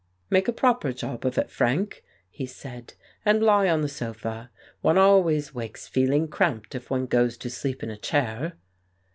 "Make a proper job of it, Frank," he said, "and lie on the sofa. One always wakes feeling cramped if one goes to sleep in a chair."